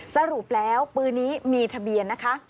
สรุปแล้วปืนนี้มีทะเบียนนะคะ